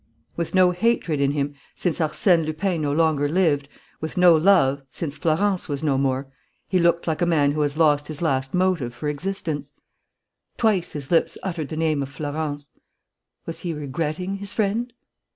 With no hatred in him, since Arsène Lupin no longer lived, with no love, since Florence was no more, he looked like a man who has lost his last motive for existence. Twice his lips uttered the name of Florence. Was he regretting his friend?